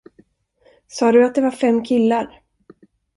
Sa du att det var fem killar?